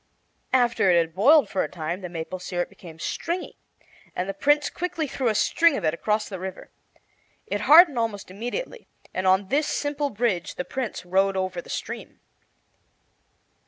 After it had boiled for a time the maple syrup became stringy, and the Prince quickly threw a string of it across the river. It hardened almost immediately, and on this simple bridge the Prince rode over the stream.